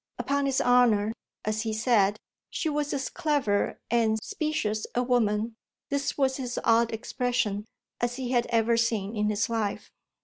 Upon his honour, as he said, she was as clever and "specious" a woman this was his odd expression as he had ever seen in his life.